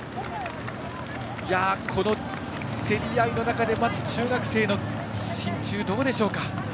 この競り合いの中で待つ中学生の心中どうでしょうか。